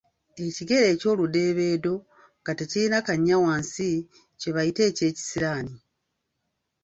Ekigere eky'oludeebeedo nga tekirina kannya wansi kye bayita eky'ekisiraani.